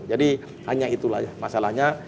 jadi hanya itulah masalahnya